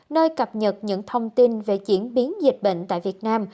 nơi cập nhật những thông tin về diễn biến dịch bệnh tại việt nam